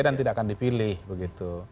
tidak akan dipilih begitu